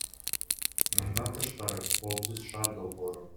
Мындан тышкары, Коопсуз шаар долбоору.